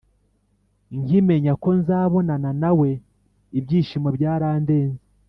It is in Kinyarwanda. nkimenya ko nzabonana nawe ibyishimo byarandenze